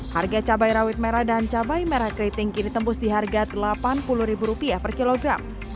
harga cabai rawit merah dan cabai merah keriting kini tembus di harga rp delapan puluh per kilogram